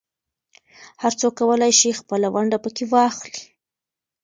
هر څوک کولای شي خپله ونډه پکې واخلي.